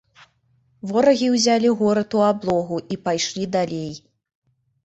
Ворагі ўзялі горад у аблогу і пайшлі далей.